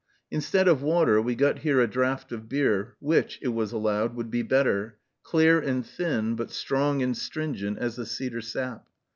Instead of water we got here a draught of beer, which, it was allowed, would be better; clear and thin, but strong and stringent as the cedar sap.